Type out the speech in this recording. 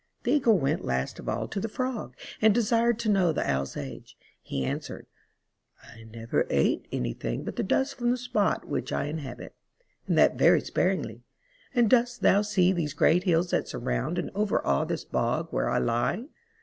The Eagle went last of all to the Frog and desired to know the Owl's age. He answered, " I never ate any thing but the dust from the spot which I inhabit, and that very sparingly, and dost thou see these great hills that surround and overawe this bog where I lie?